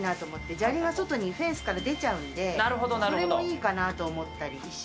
砂利が外にフェンスから出ちゃうのでそれもいいかなと思ったり。